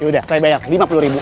yaudah saya bayar lima puluh remu